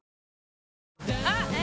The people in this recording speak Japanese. あっ！！！え？？